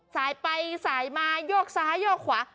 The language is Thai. สายไปสายมาโยกซ้ายโยกขวา